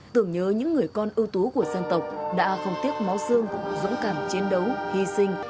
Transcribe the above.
tưởng nhớ những người con ưu tú của dân tộc đã không tiếc máu xương dũng cảm chiến đấu hy sinh